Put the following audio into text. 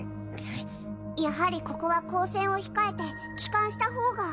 やはりここは交戦を控えて帰還した方が。